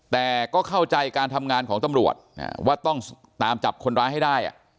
แต่ก็เข้าใจการทำงานของตำรวจว่าต้องตามจับคนร้ายให้ได้